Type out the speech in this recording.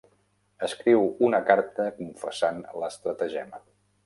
Escriu una carta confessant l'estratagema.